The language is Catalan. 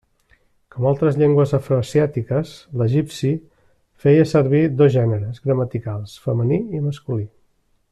Com altres llengües afroasiàtiques, l'egipci feia servir dos gèneres gramaticals, femení i masculí.